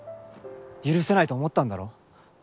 許せないと思ったんだろう？